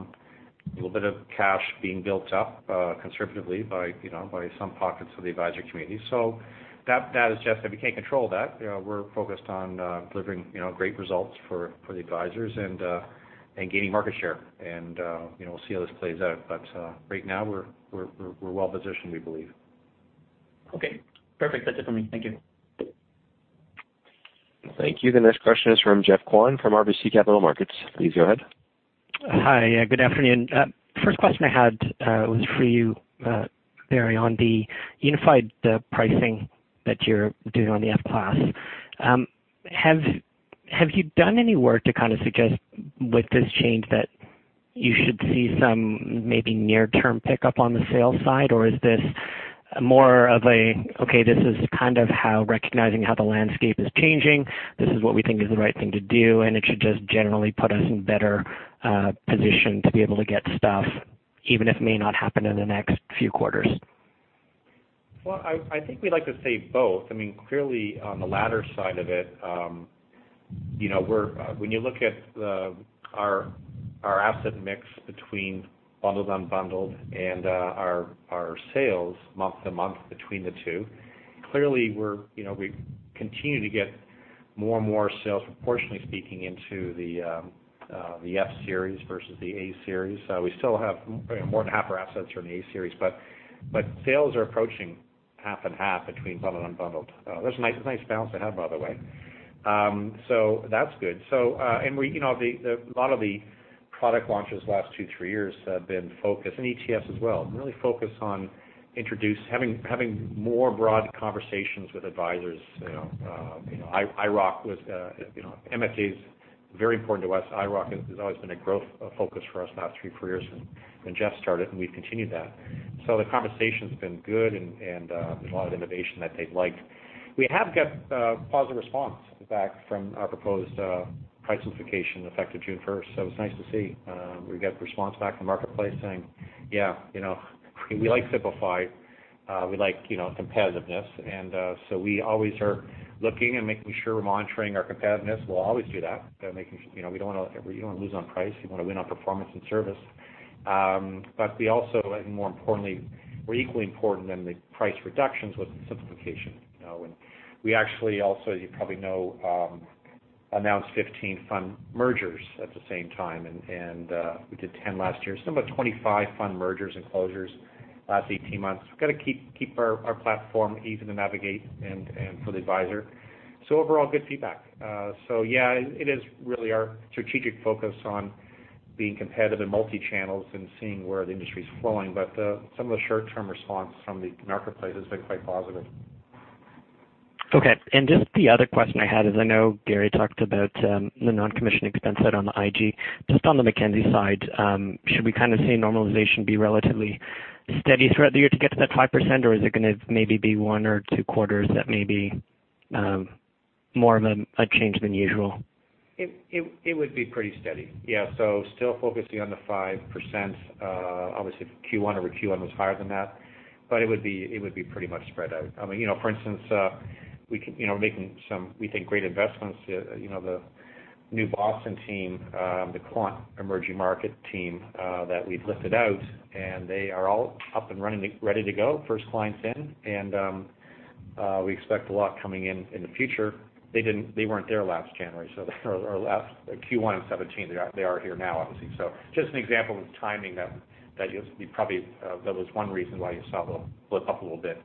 little bit of cash being built up, conservatively by, you know, by some pockets of the advisor community. So that, that is just that we can't control that. You know, we're focused on, delivering, you know, great results for, for the advisors and, and gaining market share. And, you know, we'll see how this plays out. But, right now, we're well-positioned, we believe. Okay, perfect. That's it for me. Thank you. Thank you. The next question is from Geoffrey Kwan from RBC Capital Markets. Please go ahead. Hi, good afternoon. First question I had was for you, Barry, on the unified, the pricing that you're doing on the F class. Have you done any work to kind of suggest with this change that you should see some maybe near-term pickup on the sales side? Or is this more of a, okay, this is kind of how recognizing how the landscape is changing, this is what we think is the right thing to do, and it should just generally put us in better position to be able to get stuff, even if it may not happen in the next few quarters? Well, I, I think we like to say both. I mean, clearly, on the latter side of it, you know, we're, when you look at the, our, our asset mix between bundled, unbundled, and, our, our sales month to month between the two, clearly, we're, you know, we continue to get more and more sales, proportionally speaking, into the, the F Series versus the A Series. We still have more than half our assets are in the A Series, but, but sales are approaching half and half between bundled and unbundled. There's a nice, nice balance to have, by the way. So that's good. So, and we, you know, a lot of the product launches last two, three years have been focused, and ETFs as well, really focused on having more broad conversations with advisors, you know, IIROC was, you know, MFDA is very important to us. IIROC has always been a growth focus for us, about three, four years when Jeff started, and we've continued that. So the conversation's been good, and, there's a lot of innovation that they've liked. We have got positive response, in fact, from our proposed price simplification, effective June 1st. So it's nice to see, we've got response back from the marketplace saying, "Yeah, you know, we like simplify. We like, you know, competitiveness." And, so we always are looking and making sure we're monitoring our competitiveness. We'll always do that, making sure, you know, we don't want to lose on price. We want to win on performance and service. But we also, and more importantly, we're equally important than the price reductions with the simplification. You know, and we actually also, as you probably know, announced 15 fund mergers at the same time, and we did 10 last year. So about 25 fund mergers and closures last 18 months. We've got to keep our platform easy to navigate and for the advisor. So overall, good feedback. So yeah, it is really our strategic focus on being competitive in multi-channels and seeing where the industry is flowing. But some of the short-term response from the marketplace has been quite positive. Okay. And just the other question I had is, I know Barry talked about the non-commission expense side on the IG. Just on the Mackenzie side, should we kind of see normalization be relatively steady throughout the year to get to that 5%, or is it going to maybe be one or two quarters that may be more of a change than usual? It would be pretty steady. Yeah, so still focusing on the 5%. Obviously, Q1-over-Q1 was higher than that, but it would be pretty much spread out. I mean, you know, for instance, we can, you know, making some, we think, great investments. You know, the new Boston team, the quant emerging market team, that we've lifted out, and they are all up and running, ready to go. First client's in, and we expect a lot coming in in the future. They didn't, they weren't there last January, so or last Q1 in 2017. They are here now, obviously. So just an example of timing that you'll, you probably, that was one reason why you saw the blip up a little bit,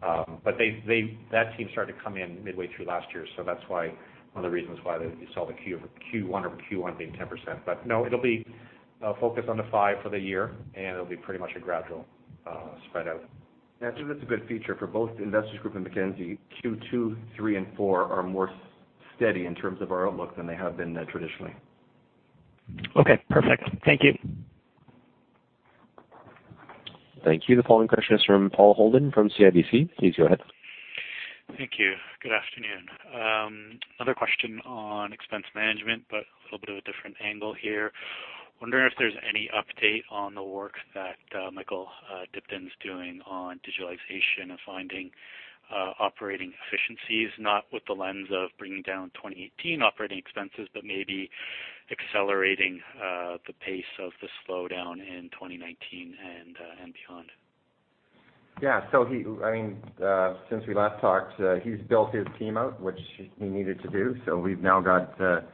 but they, that team started to come in midway through last year, so that's why, one of the reasons why you saw the Q1-over-Q1 being 10%. But no, it'll be focused on the 5% for the year, and it'll be pretty much a gradual spread out. Yeah, I think that's a good feature for both the Investors Group and Mackenzie. Q2, Q3, and Q4 are more steady in terms of our outlook than they have been, traditionally. Okay, perfect. Thank you. Thank you. The following question is from Paul Holden from CIBC. Please go ahead. Thank you. Good afternoon. Another question on expense management, but a little bit of a different angle here. Wondering if there's any update on the work that Michael Dibden's doing on digitalization and finding operating efficiencies, not with the lens of bringing down 2018 operating expenses, but maybe accelerating the pace of the slowdown in 2019 and beyond? Yeah. So he—I mean, since we last talked, he's built his team out, which he needed to do. So we've now got a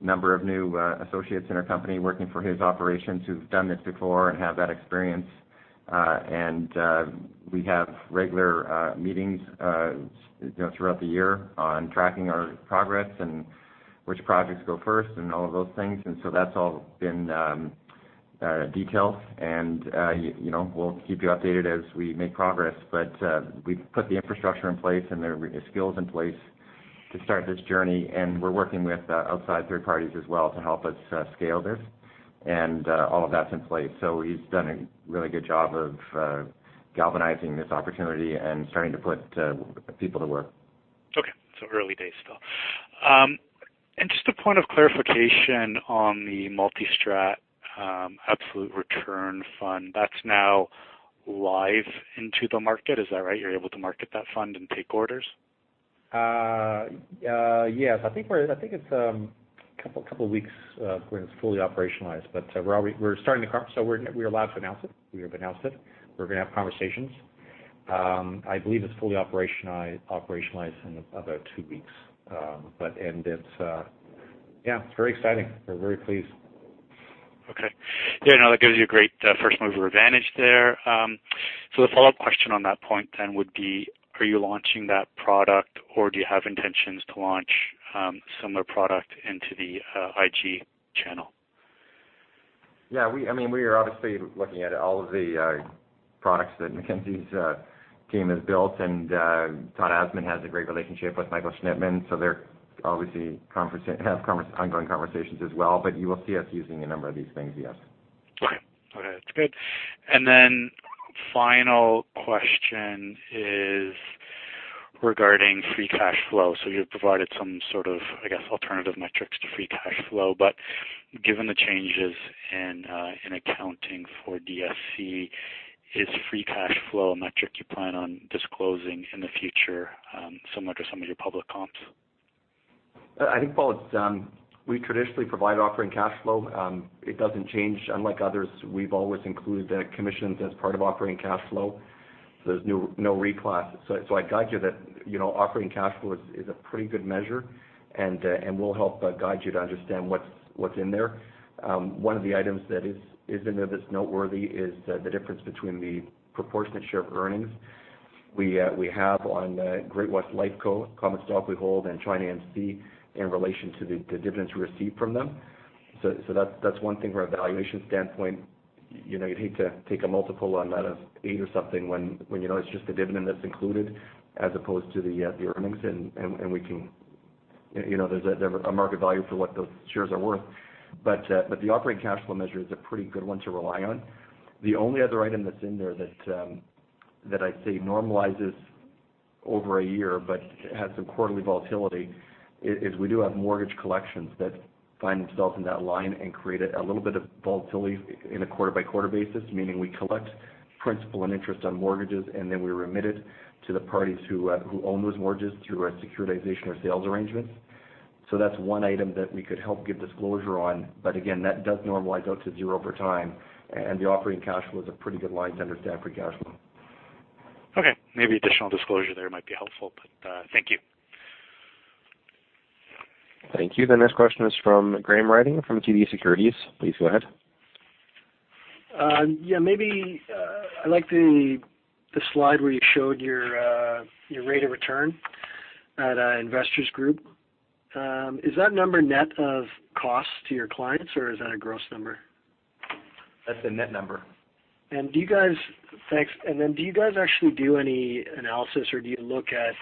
number of new associates in our company working for his operations, who've done this before and have that experience. And we have regular meetings, you know, throughout the year on tracking our progress and which projects go first and all of those things, and so that's all been detailed. And you know, we'll keep you updated as we make progress, but we've put the infrastructure in place and the skills in place to start this journey, and we're working with outside third parties as well to help us scale this. And all of that's in place. So he's done a really good job of galvanizing this opportunity and starting to put people to work. Okay. So early days still. Just a point of clarification on the multi-strat absolute return fund. That's now live into the market. Is that right? You're able to market that fund and take orders? Yes. I think it's a couple of weeks when it's fully operationalized, but we're already. We're starting to. So we're allowed to announce it. We have announced it. We're gonna have conversations. I believe it's fully operationalized in about two weeks. But and it's. Yeah, it's very exciting. We're very pleased. Okay. Yeah, no, that gives you a great first mover advantage there. So the follow-up question on that point then would be: Are you launching that product, or do you have intentions to launch similar product into the IG channel? Yeah, I mean, we are obviously looking at all of the products that Mackenzie's team has built, and Todd Asman has a great relationship with Michael Schnitman, so they're obviously have ongoing conversations as well. But you will see us using a number of these things, yes. Okay. Okay, that's good. And then final question is regarding free cash flow. So you've provided some sort of, I guess, alternative metrics to free cash flow. But given the changes in, in accounting for DSC, is free cash flow a metric you plan on disclosing in the future, similar to some of your public comps? I think, Paul, it's we traditionally provide operating cash flow. It doesn't change. Unlike others, we've always included the commissions as part of operating cash flow, so there's no reclass. So I guide you that, you know, operating cash flow is a pretty good measure, and we'll help guide you to understand what's in there. One of the items that is in there that's noteworthy is the difference between the proportionate share of earnings we have on Great-West Lifeco common stock we hold, and China AMC in relation to the dividends we receive from them. So that's one thing from a valuation standpoint, you know, you'd hate to take a multiple on that of eight or something, when you know it's just a dividend that's included as opposed to the earnings. You know, there's a market value for what those shares are worth. But the operating cash flow measure is a pretty good one to rely on. The only other item that's in there that I'd say normalizes over a year but has some quarterly volatility is we do have mortgage collections that find themselves in that line and create a little bit of volatility in a quarter-by-quarter basis, meaning we collect principal and interest on mortgages, and then we remit it to the parties who own those mortgages through a securitization or sales arrangement. So that's one item that we could help give disclosure on, but again, that does normalize out to zero over time, and the operating cash flow is a pretty good line to understand free cash flow. Okay, maybe additional disclosure there might be helpful, but, thank you. Thank you. The next question is from Graham Ryding from TD Securities. Please go ahead. Yeah, maybe I'd like the slide where you showed your rate of return at Investors Group. Is that number net of cost to your clients, or is that a gross number? That's the net number. Do you guys—thanks. Then, do you guys actually do any analysis, or do you look at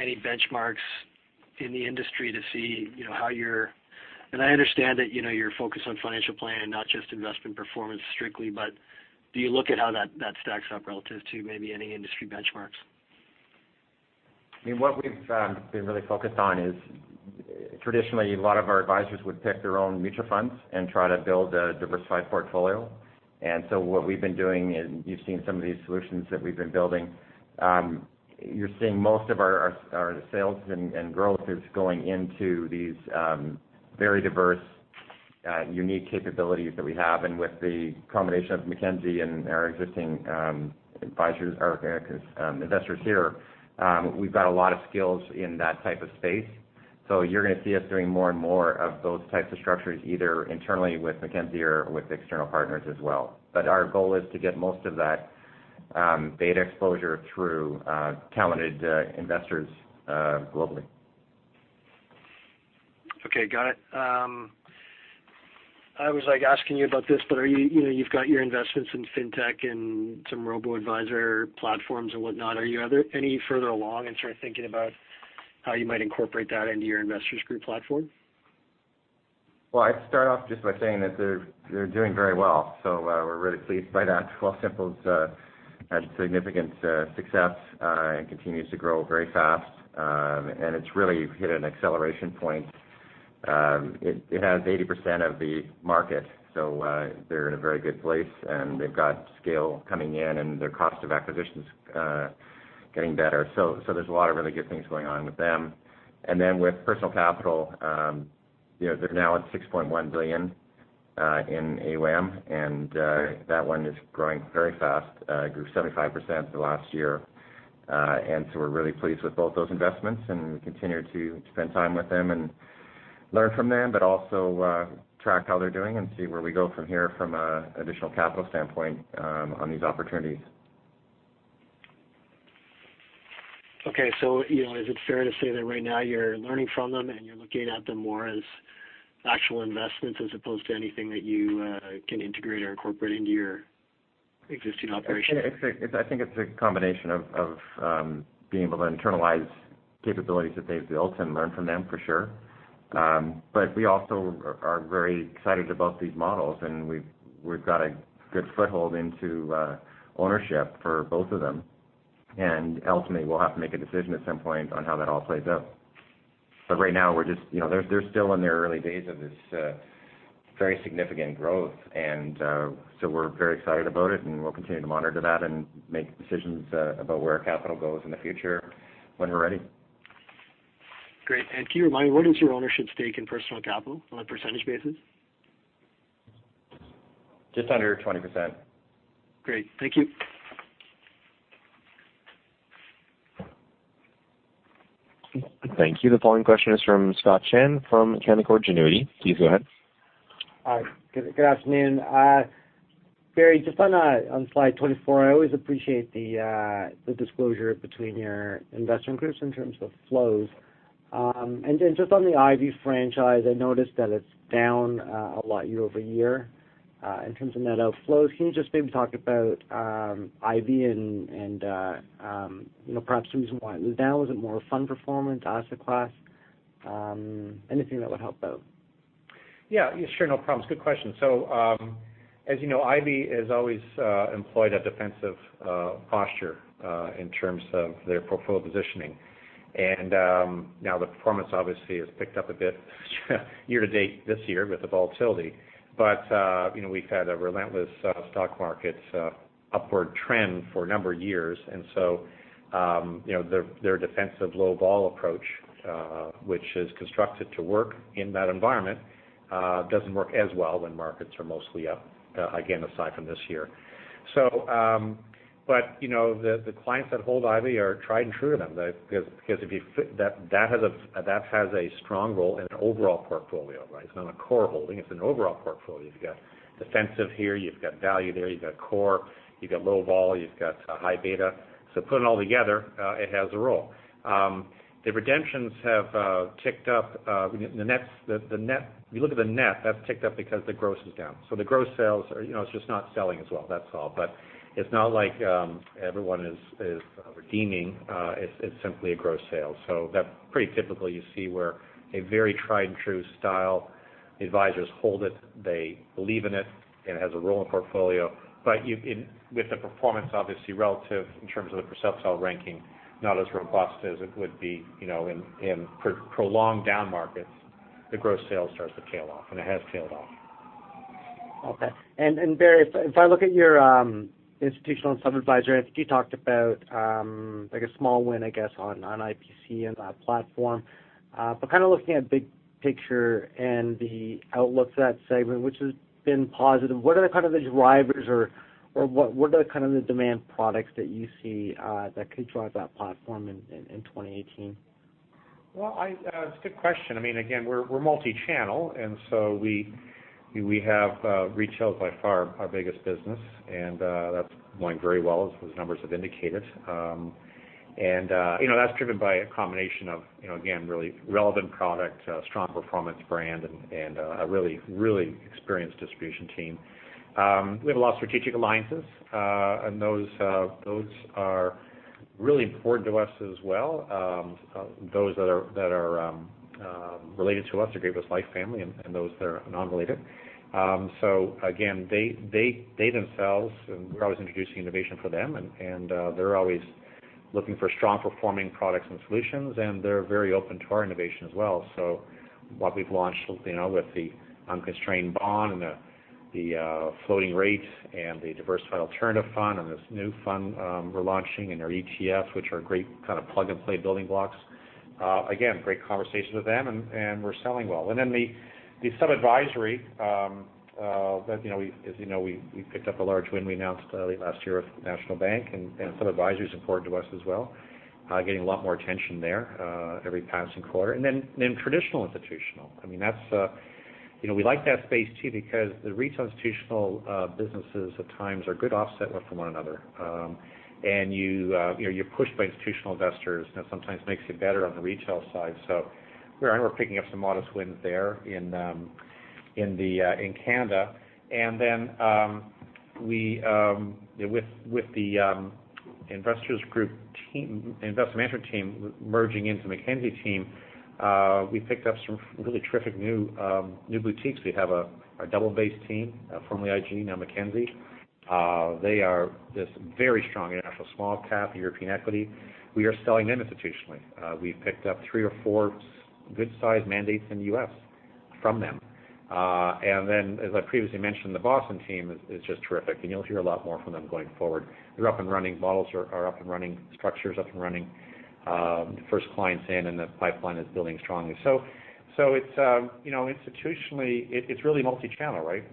any benchmarks in the industry to see, you know, how you're... And I understand that, you know, you're focused on financial planning, not just investment performance strictly, but do you look at how that, that stacks up relative to maybe any industry benchmarks? I mean, what we've been really focused on is traditionally, a lot of our advisors would pick their own mutual funds and try to build a diversified portfolio. And so what we've been doing, and you've seen some of these solutions that we've been building, you're seeing most of our sales and growth is going into these very diverse unique capabilities that we have. And with the combination of Mackenzie and our existing advisors, or investors here. We've got a lot of skills in that type of space. So you're gonna see us doing more and more of those types of structures, either internally with Mackenzie or with external partners as well. But our goal is to get most of that, beta exposure through talented investors globally. Okay, got it. I was, like, asking you about this, but are you, you know, you've got your investments in fintech and some robo-advisor platforms and whatnot. Are you any further along in sort of thinking about how you might incorporate that into your Investors Group platform? Well, I'd start off just by saying that they're doing very well, so we're really pleased by that. Wealthsimple's had significant success and continues to grow very fast. And it's really hit an acceleration point. It has 80% of the market, so they're in a very good place, and they've got scale coming in, and their cost of acquisition's getting better. So there's a lot of really good things going on with them. And then with Personal Capital, you know, they're now at 6.1 billion in AUM, and that one is growing very fast. It grew 75% for the last year. And so we're really pleased with both those investments, and we continue to spend time with them and learn from them, but also, track how they're doing and see where we go from here from a additional capital standpoint, on these opportunities. Okay, so, you know, is it fair to say that right now you're learning from them, and you're looking at them more as actual investments as opposed to anything that you can integrate or incorporate into your existing operations? It's, I think it's a combination of being able to internalize capabilities that they've built and learn from them, for sure. But we also are very excited about these models, and we've got a good foothold into ownership for both of them. And ultimately, we'll have to make a decision at some point on how that all plays out. But right now, we're just, you know, they're still in their early days of this very significant growth. And so we're very excited about it, and we'll continue to monitor that and make decisions about where our capital goes in the future when we're ready. Great. Can you remind me, what is your ownership stake in Personal Capital on a percentage basis? Just under 20%. Great. Thank you. Thank you. The following question is from Scott Chan from Canaccord Genuity. Please go ahead. Hi, good afternoon. Barry, just on, on Slide 24, I always appreciate the, the disclosure between your investment groups in terms of flows. And then just on the Ivy franchise, I noticed that it's down, a lot year-over-year, in terms of net outflows. Can you just maybe talk about, Ivy and, and, you know, perhaps the reason why it was down? Was it more fund performance, asset class? Anything that would help out. Yeah, sure, no problem. Good question. So, as you know, Ivy has always employed a defensive posture in terms of their portfolio positioning. And now the performance obviously has picked up a bit, year to date this year with the volatility. But you know, we've had a relentless stock market upward trend for a number of years. And so you know, their defensive low vol approach, which is constructed to work in that environment, doesn't work as well when markets are mostly up, again, aside from this year. So but you know, the clients that hold Ivy are tried and true to them. Because if you factor that, that has a strong role in an overall portfolio, right? It's not a core holding. It's an overall portfolio. You've got defensive here, you've got value there, you've got core, you've got low vol, you've got a high beta. So put it all together, it has a role. The redemptions have ticked up, the net – you look at the net, that's ticked up because the gross is down. So the gross sales are, you know, it's just not selling as well, that's all. But it's not like everyone is redeeming, it's simply a gross sale. So that pretty typically, you see where a very tried-and-true style, the advisors hold it, they believe in it, and it has a role in portfolio. But you, with the performance, obviously, relative in terms of the percentile ranking, not as robust as it would be, you know, in prolonged down markets, the gross sales starts to tail off, and it has tailed off. Okay. And Barry, if I look at your institutional and sub-advisory, I think you talked about like a small win, I guess, on IPC and platform. But kind of looking at the big picture and the outlook for that segment, which has been positive, what are kind of the drivers or what are kind of the demand products that you see that could drive that platform in 2018? Well, it's a good question. I mean, again, we're multi-channel, and so we have retail is by far our biggest business, and that's going very well, as those numbers have indicated. And you know, that's driven by a combination of, you know, again, really relevant product, a strong performance brand, and a really, really experienced distribution team. We have a lot of strategic alliances, and those are really important to us as well. Those that are related to us, the Great-West Life family and those that are non-related. So again, they themselves, and we're always introducing innovation for them, and they're always looking for strong performing products and solutions, and they're very open to our innovation as well. So what we've launched, you know, with the unconstrained bond and the floating rate and the diversified alternative fund and this new fund we're launching, and our ETF, which are great kind of plug-and-play building blocks. Again, great conversations with them, and, and we're selling well. And then the sub-advisory, that, you know, we, as you know, we picked up a large win we announced early last year with National Bank, and sub-advisory is important to us as well. Getting a lot more attention there, every passing quarter. And traditional institutional. I mean, that's, you know, we like that space too, because the retail institutional, businesses at times are good offset one from one another. And you, you know, you're pushed by institutional investors, and that sometimes makes you better on the retail side. So we're picking up some modest wins there in Canada. With the Investors Group team investment manager team merging into Mackenzie team, we picked up some really terrific new boutiques. We have a Dublin-based team, formerly IG, now Mackenzie. They are this very strong in international small cap, European equity. We are selling them institutionally. We've picked up three or four good-sized mandates in the U.S. from them. And then, as I previously mentioned, the Boston team is just terrific, and you'll hear a lot more from them going forward. They're up and running, models are up and running, structure's up and running. First clients in, and the pipeline is building strongly. So it's, you know, institutionally, it's really multi-channel, right?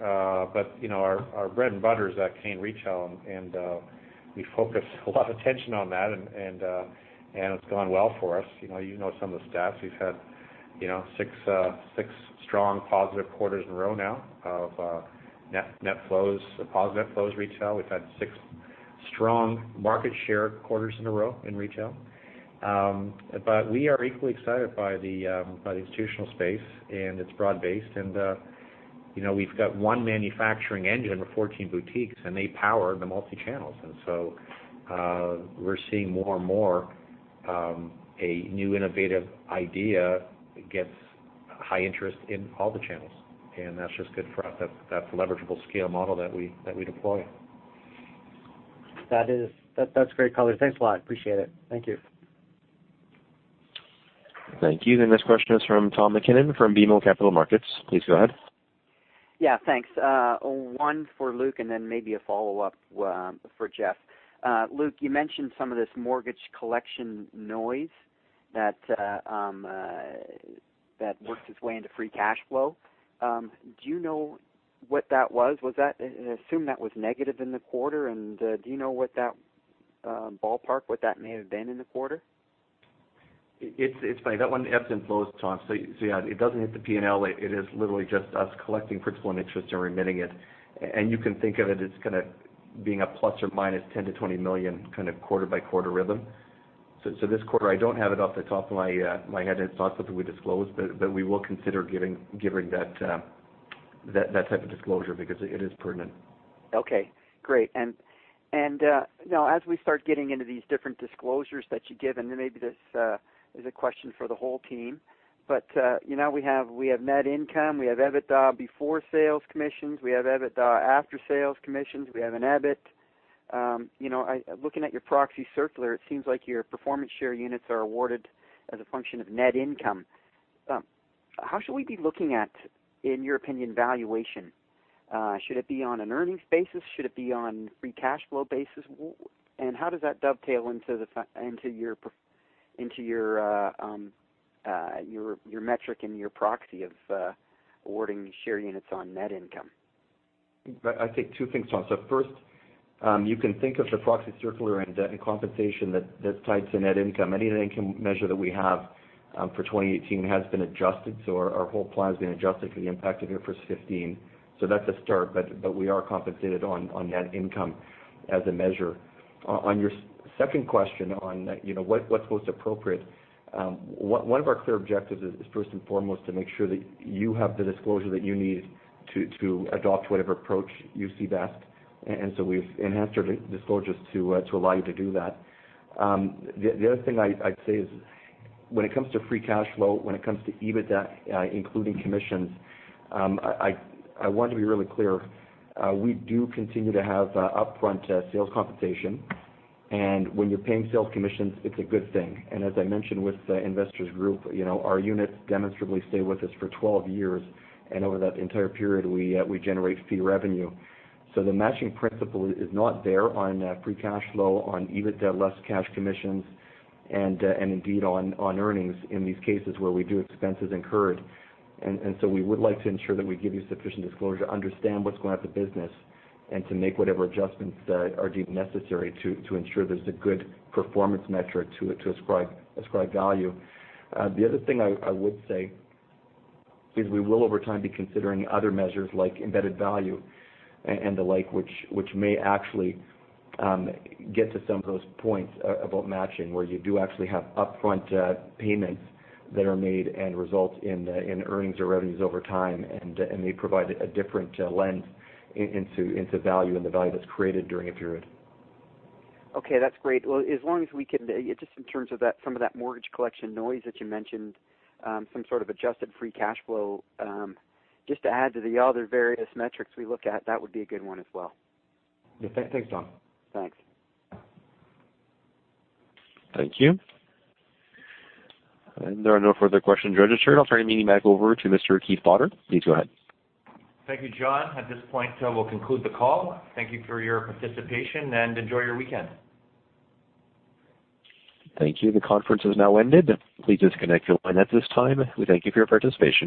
But, you know, our, our bread and butter is, Canadian retail, and, we focus a lot of attention on that, and, and, and it's gone well for us. You know, you know some of the stats. We've had, you know, six, six strong positive quarters in a row now of, net, net flows, positive net flows, retail. We've had six strong market share quarters in a row in retail. But we are equally excited by the, by the institutional space, and it's broad-based. And, you know, we've got one manufacturing engine with 14 boutiques, and they power the multi-channels. And so, we're seeing more and more, a new innovative idea gets high interest in all the channels, and that's just good for us. That's, that's a leverageable scale model that we, that we deploy. That's great color. Thanks a lot. Appreciate it. Thank you. Thank you. The next question is from Tom MacKinnon from BMO Capital Markets. Please go ahead. Yeah, thanks. One for Luke, and then maybe a follow-up for Jeff. Luke, you mentioned some of this mortgage collection noise that that works its way into free cash flow. Do you know what that was? Was that, assume that was negative in the quarter, and do you know what that, ballpark, what that may have been in the quarter? It's, it's funny, that one ebbs and flows, Tom. So, so, yeah, it doesn't hit the P&L. It is literally just us collecting principal and interest and remitting it. And you can think of it as kind of being a ±10 million-20 million, kind of quarter-by-quarter rhythm. So, so this quarter, I don't have it off the top of my, my head. It's not something we disclose, but, but we will consider giving, giving that, that, that type of disclosure because it is pertinent. Okay, great. And now, as we start getting into these different disclosures that you give, and maybe this is a question for the whole team, but you know, we have net income, we have EBITDA before sales commissions, we have EBITDA after sales commissions, we have an EBIT. You know, looking at your proxy circular, it seems like your performance share units are awarded as a function of net income. How should we be looking at, in your opinion, valuation? Should it be on an earnings basis? Should it be on free cash flow basis? And how does that dovetail into your metric and your proxy of awarding share units on net income? I think two things, Tom. So first, you can think of the proxy circular and the compensation that ties to net income. Any net income measure that we have for 2018 has been adjusted, so our whole plan has been adjusted for the impact of IFRS 15, so that's a start. But we are compensated on net income as a measure. On your second question on, you know, what's most appropriate, one of our clear objectives is first and foremost to make sure that you have the disclosure that you need to adopt whatever approach you see best, and so we've enhanced our disclosures to allow you to do that. The other thing I'd say is, when it comes to free cash flow, when it comes to EBITDA, including commissions, I want to be really clear, we do continue to have upfront sales compensation, and when you're paying sales commissions, it's a good thing. And as I mentioned with the Investors Group, you know, our units demonstrably stay with us for 12 years, and over that entire period, we generate fee revenue. So the matching principle is not there on free cash flow, on EBITDA, less cash commissions, and indeed on earnings in these cases where we do expenses incurred. So we would like to ensure that we give you sufficient disclosure to understand what's going on with the business and to make whatever adjustments are deemed necessary to ensure there's a good performance metric to ascribe value. The other thing I would say is we will, over time, be considering other measures like embedded value and the like, which may actually get to some of those points about matching, where you do actually have upfront payments that are made and result in earnings or revenues over time. And they provide a different lens into value and the value that's created during a period. Okay, that's great. Well, as long as we can, just in terms of that, some of that mortgage collection noise that you mentioned, some sort of adjusted free cash flow, just to add to the other various metrics we look at, that would be a good one as well. Yeah. Thanks, Tom. Thanks. Thank you. There are no further questions registered. I'll turn the meeting back over to Mr. Keith Potter. Please go ahead. Thank you, John. At this point, we'll conclude the call. Thank you for your participation, and enjoy your weekend. Thank you. The conference has now ended. Please disconnect your line at this time. We thank you for your participation.